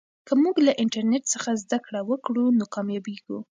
که موږ له انټرنیټ څخه زده کړه وکړو نو کامیابېږو.